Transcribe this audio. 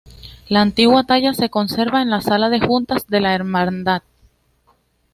La antigua talla se conserva en la sala de juntas de la hermandad.